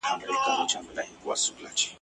د صحت قدر رنځور پېژني ..